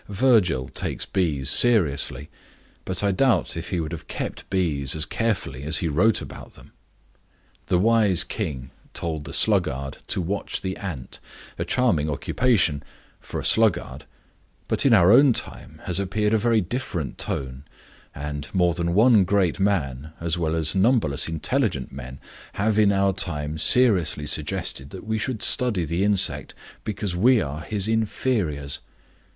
Virgil takes bees seriously but I doubt if he would have kept bees as carefully as he wrote about them. The wise king told the sluggard to watch the ant, a charming occupation for a sluggard. But in our own time has appeared a very different tone, and more than one great man, as well as numberless intelligent men, have in our time seriously suggested that we should study the insect because we are his inferiors.